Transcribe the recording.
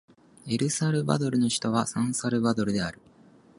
エルサルバドルの首都はサンサルバドルである